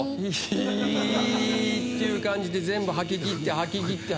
いっていう感じで全部吐き切って吐き切って。